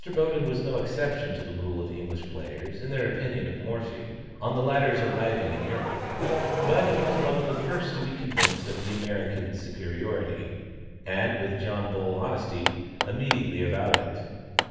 Boden was no exception to the rule of English players in their opinion of Morphy, on the latter's arriving in Europe; but he was one of the first to be convinced of the American's superiority, and, with John Bull honesty, immediately avowed it.